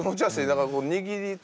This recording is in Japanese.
だからこう握り。